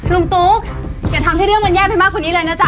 ตุ๊กอย่าทำให้เรื่องมันแย่ไปมากกว่านี้เลยนะจ๊